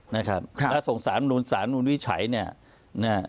นะครับครับถ้าส่งสารมนุษย์สารมนุษย์วิชัยเนี่ยเนี่ย